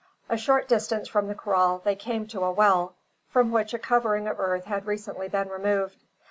A short distance from the kraal they came to a well, from which a covering of earth had recently been removed.